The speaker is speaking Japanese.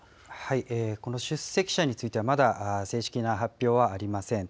この出席者については、まだ正式な発表はありません。